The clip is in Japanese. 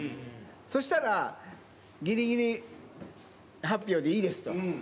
そうしたら、ぎりぎり発表でいいですと。